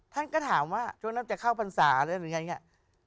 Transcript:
ท่านก็ถามว่าช่วงนั้นจะเข้าพรรษาอะไรอย่างเงี้ย